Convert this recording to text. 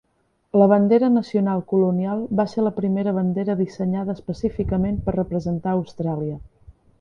La Bandera Nacional Colonial va ser la primera bandera dissenyada específicament per representar Austràlia.